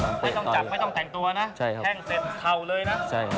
ไม่ต้องจับไม่ต้องแต่งตัวนะแข้งเสร็จเข่าเลยนะ